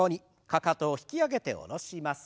かかとを引き上げて下ろします。